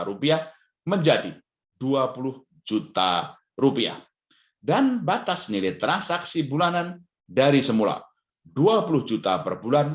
rupiah menjadi dua puluh juta rupiah dan batas nilai transaksi bulanan dari semula dua puluh juta per bulan